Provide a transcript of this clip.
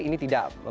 ini tidak berlaku